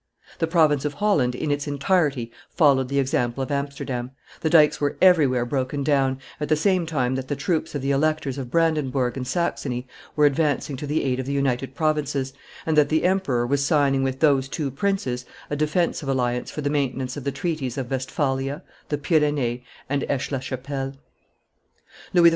The province of Holland in its entirety followed the example of Amsterdam; the dikes were everywhere broken down, at the same time that the troops of the electors of Brandenburg and Saxony were advancing to the aid of the United Provinces, and that the emperor was signing with those two princes a defensive alliance for the maintenance of the treaties of Westphalia, the Pyrenees, and Aix la Chapelle. Louis XIV.